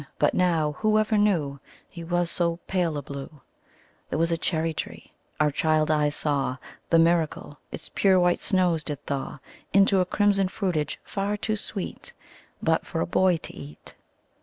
But now Whoever knew He was so pale a blue! There was a cherry tree our child eyes saw The miracle: Its pure white snows did thaw Into a crimson fruitage, far too sweet But for a boy to eat.